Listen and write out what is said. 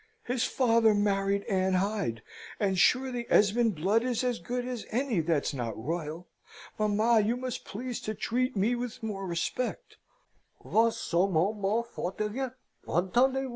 "His father married Anne Hyde, and sure the Esmond blood is as good as any that's not royal. Mamma, you must please to treat me with more respect. Vos sermons me fatiguent; entendez vous?